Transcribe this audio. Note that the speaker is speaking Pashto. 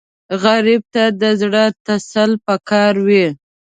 غریب ته د زړه تسل پکار وي